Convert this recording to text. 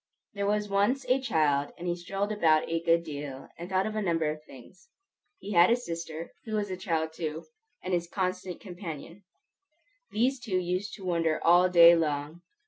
There was once a child, and he strolled about a good deal, and thought of a number of things. He had a sister, who was a child too, and his constant companion. These two used to wonder all day long.